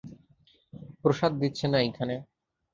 প্রসাদ দিচ্ছে না এইখানে।